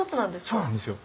そうなんですよ。